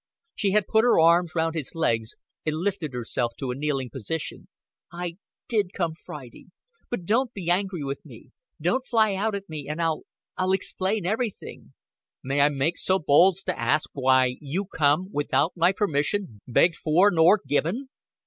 She had put her arms round his legs and lifted herself to a kneeling position. "I did come Friday. But don't be angry with me. Don't fly out at me, and I I'll explain everything." "May I make so bold 's t'a' ask why you come, without my permission begged for nor given?"